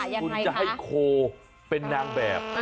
คุณจะให้โคเป็นนางแบบ